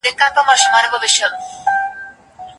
ټیکنالوژي د زړو تاریخي اسنادو په ډیجیټل کولو کې مرسته کوي.